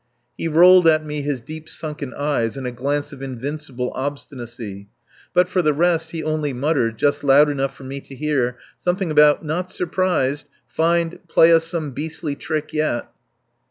He rolled at me his deep sunken eyes in a glance of invincible obstinacy. But for the rest he only muttered, just loud enough for me to hear, something about "Not surprised ... find ... play us some beastly trick yet.